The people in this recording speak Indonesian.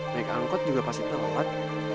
naik angkot juga pasti tempat